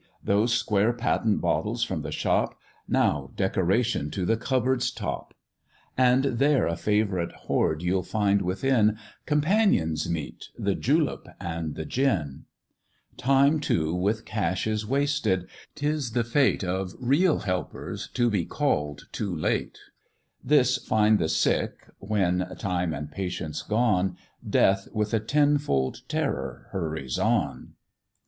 those square patent bottles from the shop, Now decoration to the cupboard's top; And there a favourite hoard you'll find within, Companions meet! the julep and the gin. Time too with cash is wasted; 'tis the fate Of real helpers to be call'd too late; This find the sick, when (time and patience gone) Death with a tenfold terror hurries on.